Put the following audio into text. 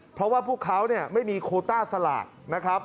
เพราะว่าพวกเขาไม่มีโคต้าสลากนะครับ